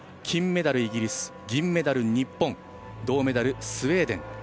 金メダル、イギリス銀メダル、日本銅メダル、スウェーデン。